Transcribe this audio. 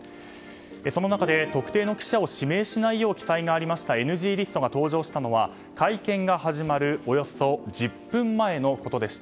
その中で特定の記者を指名しないよう記載がありましたＮＧリストが登場したのは会見が始まるおよそ１０分前のことでした。